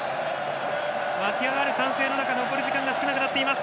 沸き上がる歓声の中残り時間少なくなってきています。